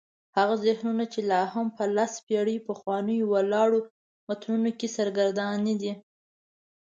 هغه ذهنونه چې لا هم په لس پېړۍ پخوانیو ولاړو متونو کې سرګردانه دي.